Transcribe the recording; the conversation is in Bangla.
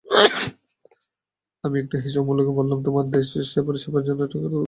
আমি একটু হেসে অমূল্যকে বললুম, তোমাদের দেশসেবকদের সেবার জন্যেও টাকার দরকার আছে বুঝি?